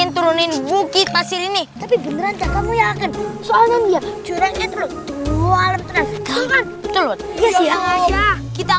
turunin bukit pasir ini